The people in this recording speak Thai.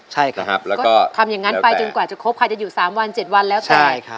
ใช่ครับแล้วก็ทำอย่างนั้นไปจนกว่าจะครบค่ะจะอยู่๓วัน๗วันแล้วแต่